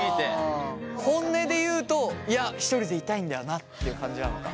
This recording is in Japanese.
本音で言うといやひとりでいたいんだよなって感じなのか？